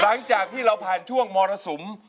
หลังจากที่เราผ่านช่วงมรสุม